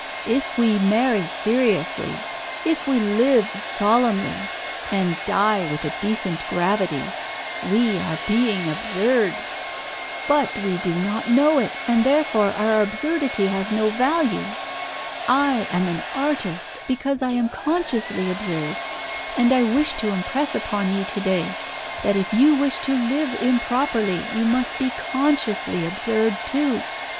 If we marry seriously, if we live solemnly, and die with a decent gravity, we are being absurd; but we do not know it, and therefore our absurdity has no value. I am an artist, because I am consciously absurd; and I wish to impress upon you to day, that if you wish to live improperly, you must be consciously absurd too.